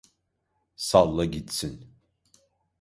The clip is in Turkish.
Salla gitsin!